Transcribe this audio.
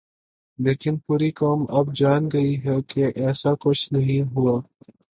لیکن پوری قوم اب جان گئی ہے کہ ایسا کچھ نہیں ہوا۔